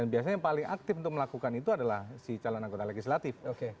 biasanya yang paling aktif untuk melakukan itu adalah si calon anggota legislatif